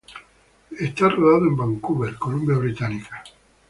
Es rodado en Vancouver, Columbia Británica.